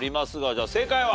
じゃあ正解は？